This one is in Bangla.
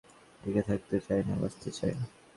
কিন্তু আমার ভেতরের আমি শুধু টিকে থাকতে চায় না, বাঁচতে চায়।